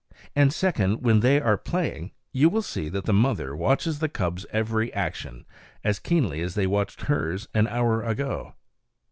And second, when they are playing you will see that the mother watches the cubs' every action as keenly as they watched hers an hour ago.